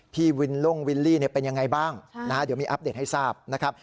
พี่วินลงวิลลี่เป็นยังไงบ้างเดี๋ยวมีอัปเดตให้ทราบนะครับ